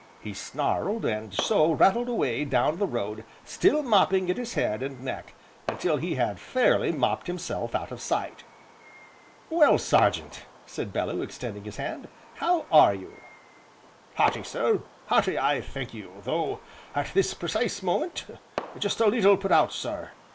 he snarled and so, rattled away down the road still mopping at his head and neck until he had fairly mopped himself out of sight. "Well, Sergeant," said Bellew extending his hand, "how are you!" "Hearty, sir, hearty I thank you, though, at this precise moment, just a leetle put out, sir.